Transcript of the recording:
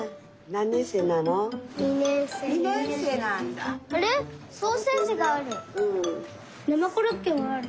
なまコロッケもある。